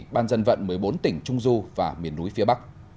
ban dân vận một mươi bốn tỉnh trung du và miền núi phía bắc